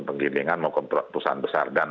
penggiringan maupun perusahaan besar dan